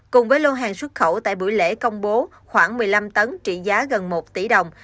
cùng với lô hàng xuất khẩu tại buổi lễ công bố khoảng một mươi năm tấn trị giá gần một tỷ đồng